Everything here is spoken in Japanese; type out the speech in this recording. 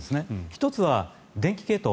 １つは電気系統。